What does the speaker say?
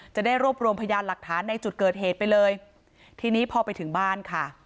จะได้รวบรวมพยานหลักฐานในจุดเกิดเหตุไปเลยทีนี้พอไปถึงบ้านค่ะ